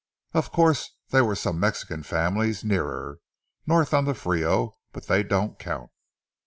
Of course there were some Mexican families nearer, north on the Frio, but they don't count.